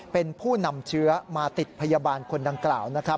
เป็นผู้นำเชื้อมาติดพยาบาลคนดังกล่าวนะครับ